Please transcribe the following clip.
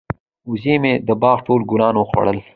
وزې مې د باغ ټول ګلان وخوړل.